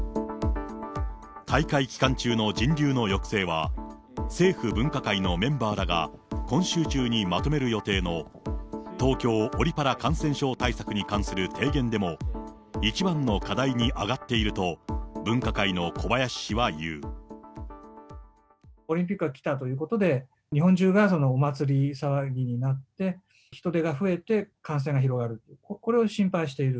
大会期間中の人流の抑制は、政府分科会のメンバーらが今週中にまとめる予定の東京オリパラ感染症対策に関する提言でも一番の課題に挙がっていると、オリンピックが来たということで、日本中がお祭り騒ぎになって、人出が増えて、感染が広がると、これを心配している。